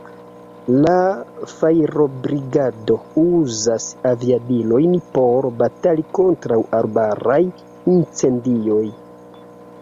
La fajrobrigado uzas aviadilojn por batali kontraŭ arbaraj incendioj.